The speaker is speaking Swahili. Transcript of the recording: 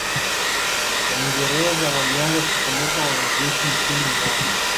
Waingerza walianza kupeleka wanajeshi nchini Norway